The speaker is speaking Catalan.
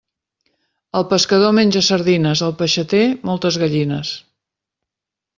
El pescador menja sardines; el peixater, moltes gallines.